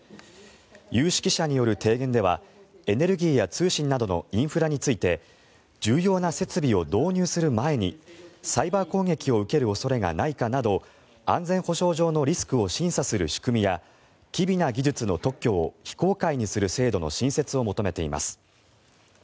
有識者による提言ではエネルギーや通信などのインフラについて重要な設備を導入する前にサイバー攻撃を受ける恐れがないかなど安全保障上のリスクを審査する仕組みや機微な技術の特許を非公開にする制度の新設を求めています。